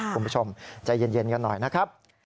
คุณผู้ชมใจเย็นกันหน่อยนะครับ